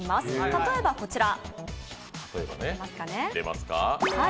例えばこちら。